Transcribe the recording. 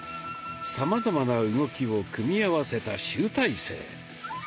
さまざまな動きを組み合わせた集大成。